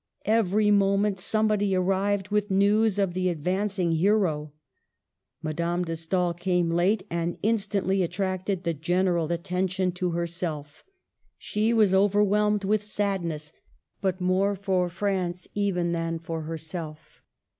Every moment somebody arrived with news of the advancing hero. Madame de Stael came late, and instantly attracted the general attention to herself. She Digitized by VjOOQLC ENGLAND AGAIN 193 was overwhelmed with sadness, but more for France even than for herself.